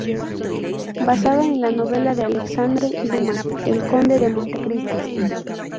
Basada en la novela de Alexandre Dumas "El conde de Montecristo".